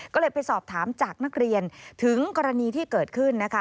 ก็เลยไปสอบถามจากนักเรียนถึงกรณีที่เกิดขึ้นนะคะ